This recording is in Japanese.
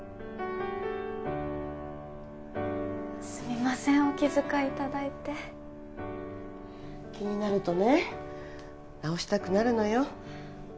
すみませんお気遣いいただいて気になるとね直したくなるのよ